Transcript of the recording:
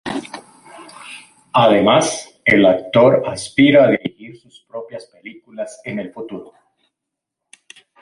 Además, el actor aspira a dirigir sus propias películas en el futuro.